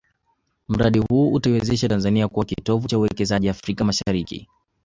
Mradi huu utaiwezesha Tanzania kuwa kitovu cha uwekezaji Afrika Mashariki